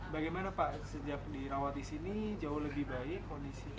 bagaimana pak sejak dirawat di sini jauh lebih baik kondisinya